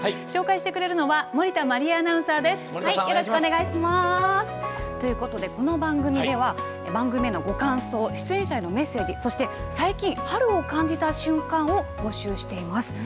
紹介してくれるのは森田茉里恵アナウンサーです。ということでこの番組では番組へのご感想出演者へのメッセージそして「最近、春を感じた瞬間」を募集しています。